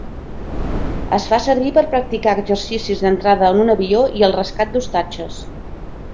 Es fa servir per practicar exercicis d'entrada en un avió i el rescat d'ostatges.